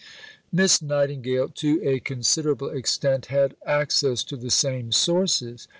Miss Nightingale, to a considerable extent, had access to the same sources.